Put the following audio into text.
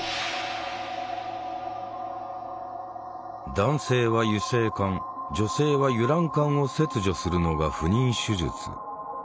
男性は輸精管女性は輸卵管を切除するのが不妊手術。